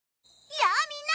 やあみんな！